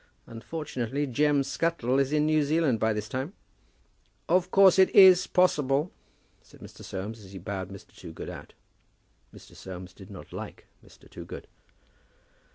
Unfortunately, Jem Scuttle is in New Zealand by this time." "Of course, it is possible," said Mr. Soames, as he bowed Mr. Toogood out. Mr. Soames did not like Mr. Toogood.